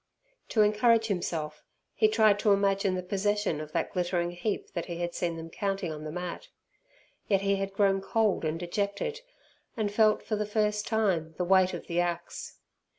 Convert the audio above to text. To encourage himself, he tried to imagine the possession of that glittering heap that he had seen them counting on the mat. Yet he had grown cold and dejected, and felt for the first time the weight of the axe.